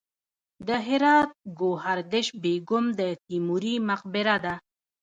د هرات ګوهردش بیګم د تیموري مقبره ده